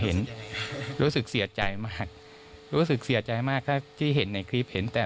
รู้สึกเสียใจมากรู้สึกเสียใจมากถ้าที่เห็นในคลิปเห็นแต่